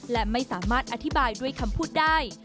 และไม่สามารถอธิบายด้วยคำพูดได้